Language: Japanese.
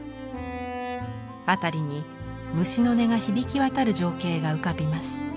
辺りに虫の音が響き渡る情景が浮かびます。